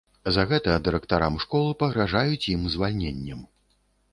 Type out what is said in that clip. За гэта дырэктарам школ пагражаюць ім звальненнем.